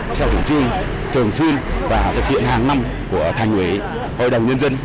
theo hướng chung thường xuyên và thực hiện hàng năm của thành ủy hội đồng nhân dân